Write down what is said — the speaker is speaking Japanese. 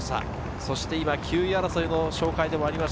そして９位争いの紹介がありました。